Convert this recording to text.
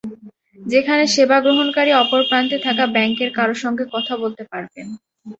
যেখানে সেবা গ্রহণকারী অপর প্রান্তে থাকা ব্যাংকের কারও সঙ্গে কথা বলতে পারবেন।